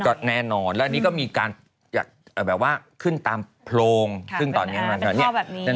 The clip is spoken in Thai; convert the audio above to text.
ก็แน่นอนแล้วนี้ก็มีการอยากแบบว่าขึ้นตามโพรงขึ้นตอนนี้เป็นท่อแบบนี้